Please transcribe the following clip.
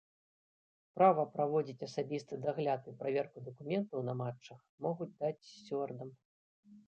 Права праводзіць асабісты дагляд і праверку дакументаў на матчах могуць даць сцюардам.